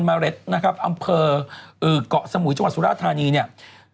เร็ดนะครับอำเภอกเกาะสมุยจังหวัดสุราธานีเนี่ย